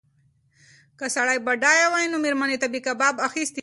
که سړی بډایه وای نو مېرمنې ته به یې کباب اخیستی و.